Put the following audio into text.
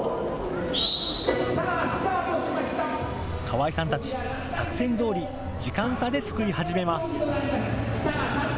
川井さんたち、作戦どおり時間差ですくい始めます。